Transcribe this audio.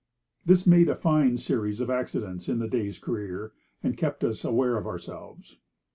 This made a fine series of accidents in the day's career, and kept us aware of ourselves.